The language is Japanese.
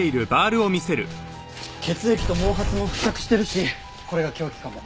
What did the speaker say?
血液と毛髪も付着してるしこれが凶器かも。